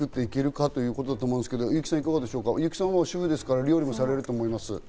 優木さんは主婦ですから料理もされると思いますが。